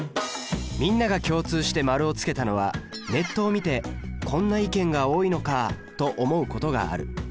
みんなが共通して○をつけたのは「ネットを見て『こんな意見が多いのか』と思うことがある」